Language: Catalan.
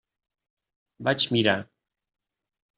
Vaig mirar.